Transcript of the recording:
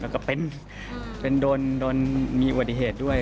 ก็เป็นเป็นโดนโดนมีอวดิเหตุด้วย